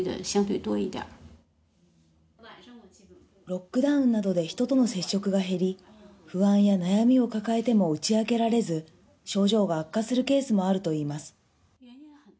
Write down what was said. ロックダウンなどで人との接触が減り、不安や悩みを抱えても打ち明けられず、症状が悪化するケースもあるといいます。